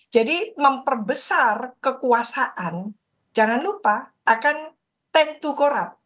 jadi memperbesar kekuasaan jangan lupa akan tank to corrupt